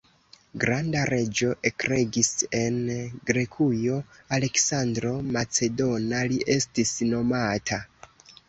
Granda reĝo ekregis en Grekujo; « Aleksandro Macedona » li estis nomata.